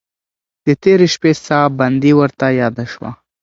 د تېرې شپې ساه بندي ورته یاده شوه.